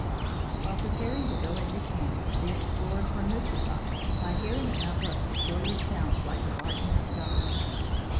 While preparing to go into camp, the explorers were mystified by hearing a number of peculiar sounds like the barking of dogs.